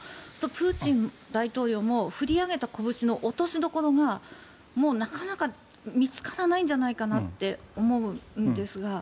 プーチン大統領も振り上げたこぶしの落としどころがなかなか見つからないんじゃないかなって思うんですが。